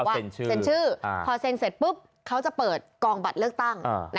ให้เราเซ็นชื่อเซ็นชื่อพอเซ็นเสร็จปุ๊บเขาจะเปิดกองบัตรเลือกตั้ง